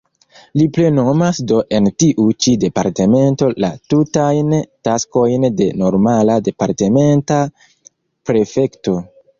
Li plenumas do en tiu ĉi departemento la tutajn taskojn de normala, departementa prefekto.